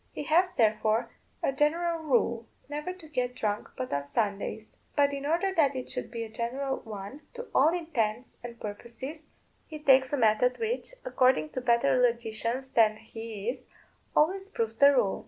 He has, therefore, a general rule, never to get drunk but on Sundays. But in order that it should be a general one to all intents and purposes, he takes a method which, according to better logicians than he is, always proves the rule.